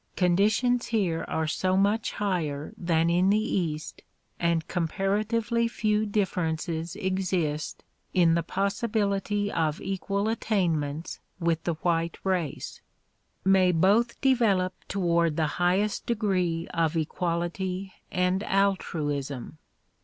conditions here are so much higher than in the east and com paratively few differences exist in the possibility of equal attain ments wdth the white race. May both develop toward the highest degree of equality and altruism.